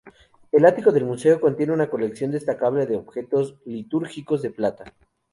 El ático del museo contiene una colección destacable de objetos litúrgicos de plata.